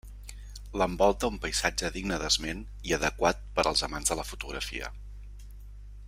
L'envolta un paisatge digne d'esment i adequat per als amants de la fotografia.